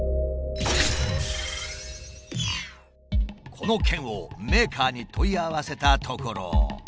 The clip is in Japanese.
この件をメーカーに問い合わせたところ。